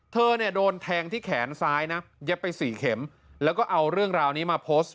เธอเนี่ยโดนแทงที่แขนซ้ายนะเย็บไปสี่เข็มแล้วก็เอาเรื่องราวนี้มาโพสต์